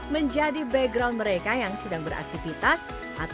menjadi background mereka yang sering berpikir tentang audio yang terdengar di dalamnya